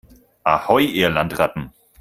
Ahoi, ihr Landratten